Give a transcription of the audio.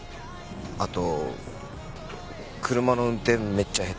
あと車の運転めっちゃ下手。